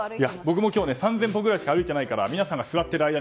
僕も今日３０００歩ぐらいしか歩いていないから皆さんが座っている中